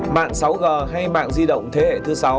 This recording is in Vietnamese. mạng sáu g hay mạng di động thế hệ thứ sáu